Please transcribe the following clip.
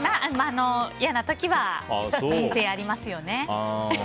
嫌な時は人生ありますよね。